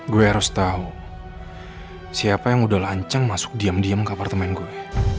gue harus tahu siapa yang udah lanceng masuk diam diam ke apartemen gue